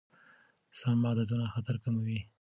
سم عادتونه خطر کموي.